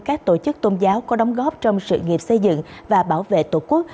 các tổ chức tôn giáo có đóng góp trong sự nghiệp xây dựng và bảo vệ tổ quốc